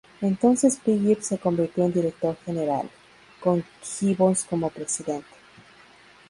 Entonces Phillips se convirtió en Director General, con Gibbons como Presidente.